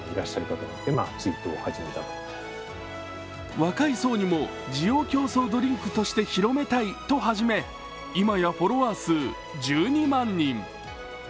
若い層にも滋養強壮ドリンクとして広めたいとはじめいまやフォロワー数１２万人。